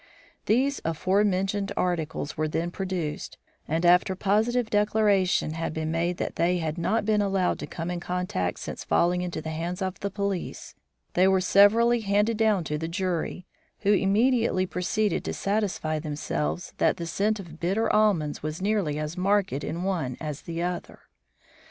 These aforementioned articles were then produced, and after positive declaration had been made that they had not been allowed to come in contact since falling into the hands of the police, they were severally handed down to the jury, who immediately proceeded to satisfy themselves that the scent of bitter almonds was nearly as marked in one as the other.